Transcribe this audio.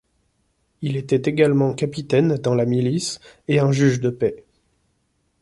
Il était également capitaine dans la milice et un juge de paix.